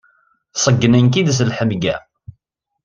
Ṣeggnen-k-id s leḥmegga.